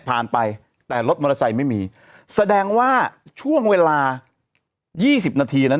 ผ่านไปแต่รถมอเตอร์ไซต์ไม่มีแสดงว่าช่วงเวลา๒๐นาทีแล้ว